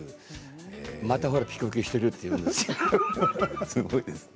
またピクピクしてるって言うんですよ。